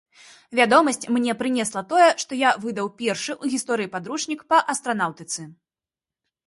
Вядомасць мне прынесла тое, што я выдаў першы ў гісторыі падручнік па астранаўтыцы.